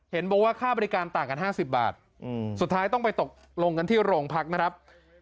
เห็นบอกว่าค่าบริการต่างกัน๕๐บาทสุดท้ายต้องไปตกลงกันที่โรงพักนะครับ